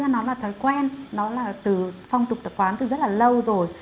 nó là thói quen nó là từ phong tục tập quán từ rất là lâu rồi